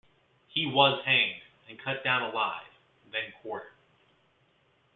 He was hanged and cut down alive, then quartered.